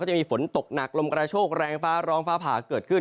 จะมีฝนตกหนักลมกระโชคแรงฟ้าร้องฟ้าผ่าเกิดขึ้น